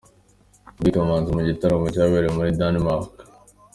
Gaby Kamanzi mu gitaramo cyabereye muri Danemark.